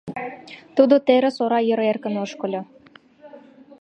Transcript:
Тудо терыс ора йыр эркын ошкыльо.